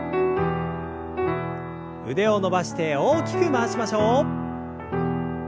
腕を伸ばして大きく回しましょう。